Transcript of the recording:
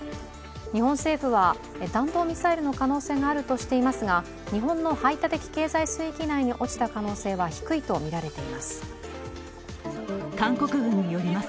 日本政府は弾道ミサイルの可能性があるとしていますが日本の排他的経済水域内に落ちた可能性は低いとみられています。